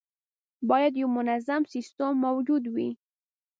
باید یو منظم سیستم موجود وي.